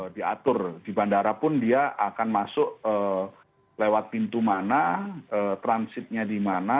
diatur di bandara pun dia akan masuk lewat pintu mana transitnya di mana